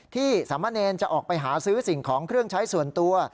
สามเณรจะออกไปหาซื้อสิ่งของเครื่องใช้ส่วนตัว